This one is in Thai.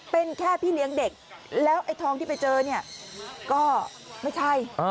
เป็นแค่พี่เลี้ยงเด็กแล้วไอ้ทองที่ไปเจอเนี่ยก็ไม่ใช่